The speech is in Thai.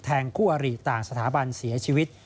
คู่อริต่างสถาบันเสียชีวิต